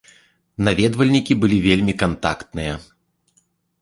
Наведвальнікі былі вельмі кантактныя.